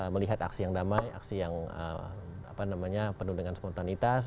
melihat aksi yang damai aksi yang penuh dengan spontanitas